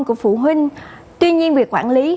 của phụ huynh tuy nhiên việc quản lý